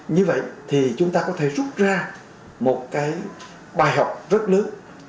như vậy thì chúng ta có thể rút ra một cái bài học rất lớn